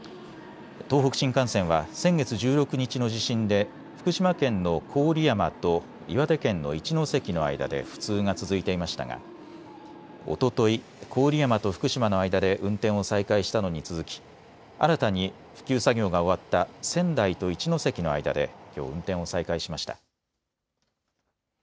東北新幹線は先月１６日の地震で福島県の郡山と岩手県の一ノ関の間で不通が続いていましたがおととい、郡山と福島の間で運転を再開したのに続き新たに復旧作業が終わった仙台と一ノ関の間できょう運転を再開しました。